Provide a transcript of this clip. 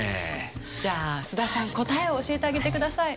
じゃあ須田さん答えを教えてあげてください。